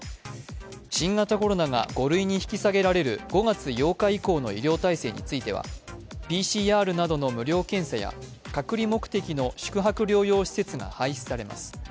新型コロナが５類に引き下げられる５月８日以降の医療体制についてはＰＣＲなどの無料検査や隔離目的の宿泊療養施設が廃止されます。